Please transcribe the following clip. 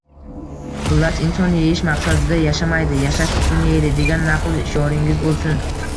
Xullas, “Inson yeyish maqsadida yashamaydi, yashash uchun yeydi”, degan naql shioringiz bo‘lsin.